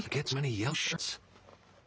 よし。